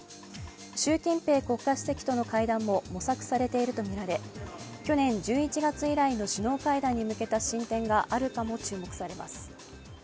習近平国家主席との会談も模索されているとみられ、去年１１月以来の首脳会談に向けた進展があるかも注目されます。